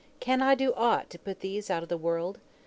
Can I do aught to put these out of the world?